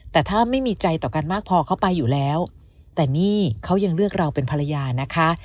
แต่ถ้าไม่มีใจต่อกันมากพอเขาไปอยู่แล้วแต่นี่เขายังเลือกเราเป็นภรรยานะคะ